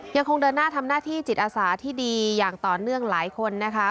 ยังคงเดินหน้าทำหน้าที่จิตอาสาที่ดีอย่างต่อเนื่องหลายคนนะคะ